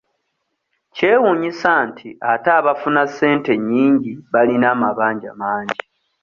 Kyewuunyisa nti ate abafuna ssente ennyingi balina amabanja mangi.